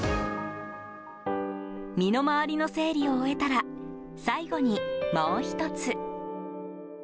身の回りの整理を終えたら最後にもう１つ。